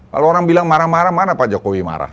kalau orang bilang marah marah mana pak jokowi marah